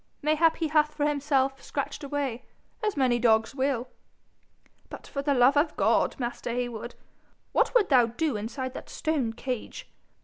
Mayhap he hath for himself scratched a way, as many dogs will.' 'But, for the love of God, master Heywood, what would thou do inside that stone cage?